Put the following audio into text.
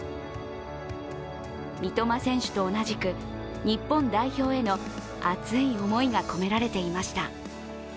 三笘選手と同じく日本代表への熱い思いが込められていました。